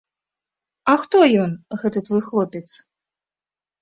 А хто ён, гэты твой хлопец?